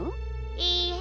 いいえ。